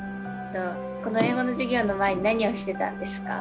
この英語の授業の前に何をしてたんですか？